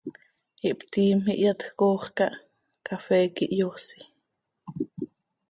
Ihptiim, ihyatj coox cah x, cafee quih hyoosi.